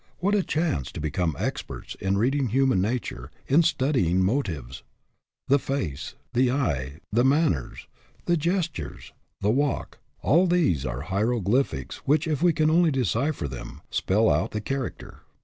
What a chance to be come experts in reading human nature, in studying motives ! The face, the eye, the manners, the gestures, the walk, all these are hieroglyphics which, if we can only decipher them, spell out the character.